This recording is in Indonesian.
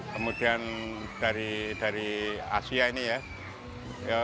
kemudian dari asia ini ya